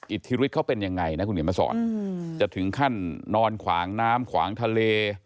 อิทธิฤทธิเขาเป็นยังไงนะคุณเขียนมาสอนจะถึงขั้นนอนขวางน้ำขวางทะเล